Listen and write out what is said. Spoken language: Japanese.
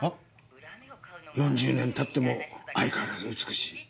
４０年経っても相変わらず美しい。